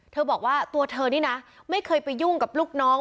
บอกว่าตัวเธอนี่นะไม่เคยไปยุ่งกับลูกน้อง